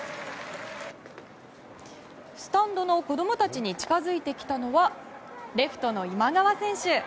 スタンドの子供たちに近づいてきたのはレフトの今川選手。